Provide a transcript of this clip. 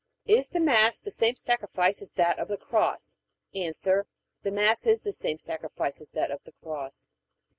Is the Mass the same sacrifice as that of the Cross? A. The Mass is the same sacrifice as that of the Cross.